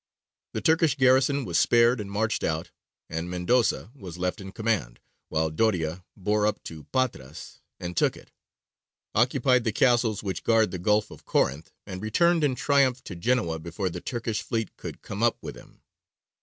The Turkish garrison was spared and marched out, and Mendoza was left in command, while Doria bore up to Patras and took it, occupied the castles which guard the Gulf of Corinth, and returned in triumph to Genoa before the Turkish fleet could come up with him.